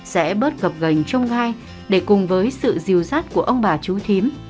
sẽ bớt gập gành trong gai để cùng với sự diều sát của ông bà chú thím